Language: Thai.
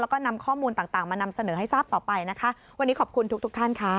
แล้วก็นำข้อมูลต่างต่างมานำเสนอให้ทราบต่อไปนะคะวันนี้ขอบคุณทุกทุกท่านค่ะ